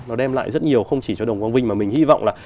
nó đem lại rất nhiều không chỉ cho đồng quang vinh mà mình hy vọng là